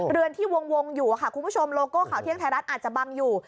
เรือนที่วงอยู่ค่ะคุณผู้ชมโลโก้ข่าวเที่ยงไทยรัฐอาจจะบังอยู่